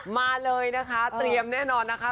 มาเลยนะคะเตรียมแน่นอนนะคะ